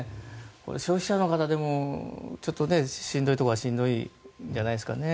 消費者の方、しんどいところはしんどいんじゃないんですか。